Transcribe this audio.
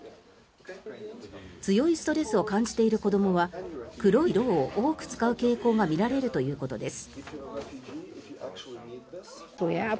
強いストレスを感じている子どもは黒い色を多く使う傾向が見られるということです。